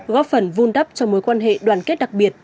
góp phần vun đắp cho mối quan hệ đoàn kết đặc biệt